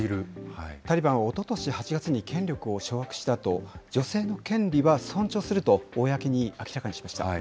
タリバンはおととし８月に権力を掌握したあと、女性の権利は尊重すると、公に明らかにしました。